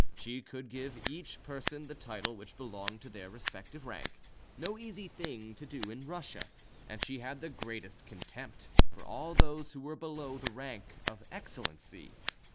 She could give each person the title which belonged to their respective rank, no easy thing to do in Russia, and she had the greatest contempt for all those who were below the rank of excellency.